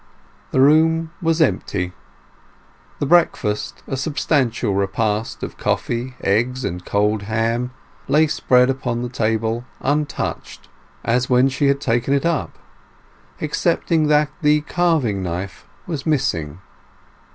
The room was empty; the breakfast—a substantial repast of coffee, eggs, and a cold ham—lay spread upon the table untouched, as when she had taken it up, excepting that the carving knife was missing.